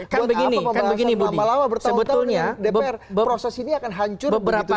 kan begini budi sebetulnya proses ini akan hancur begitu saja